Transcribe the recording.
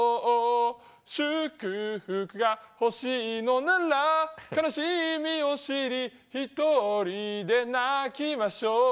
「祝福が欲しいのなら悲しみを知り独りで泣きましょう」